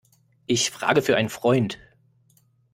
Ich frage für einen Freund.